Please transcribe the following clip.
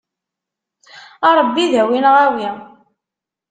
A Ṛebbi dawi neɣ awi.